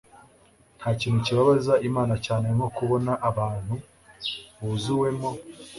Nta kintu kibabaza Imana cyane nko kubona abantu buzuwemo